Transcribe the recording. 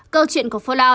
câu chuyện của falao